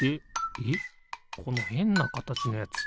えっこのへんなかたちのやつ